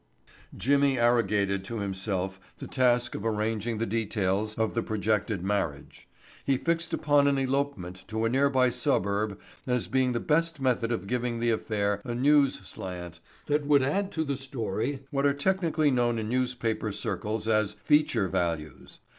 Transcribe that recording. Jimmy arrogated to himself the task of arranging the details of the projected marriage. He fixed upon an elopement to a nearby suburb as being the best method of giving the affair a news slant that would add to the story what are technically known in newspaper circles as "feature values."